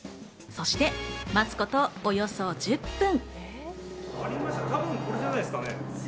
そして待つことおよそ１０分。